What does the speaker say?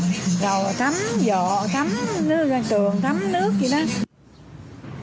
trường thắm nước